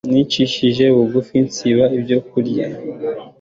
nicishije bugufi nsiba ibyo kurya